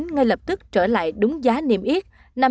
ngay lập tức trở lại đúng giá niềm yết